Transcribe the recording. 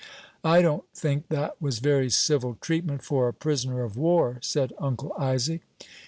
'" "I don't think that was very civil treatment for a prisoner of war," said Uncle Isaac.